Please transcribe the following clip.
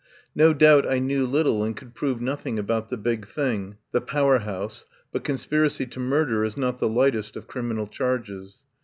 No doubt I knew little and could prove nothing about the big thing, the Power House, but conspiracy to murder is not the lightest of criminal charges.